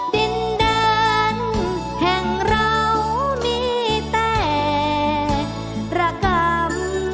ดินแดนแห่งเรามีแต่ประกรรม